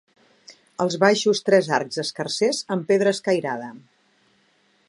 Als baixos tres arcs escarsers amb pedra escairada.